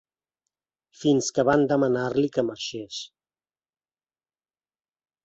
Fins que van demanar-li que marxés.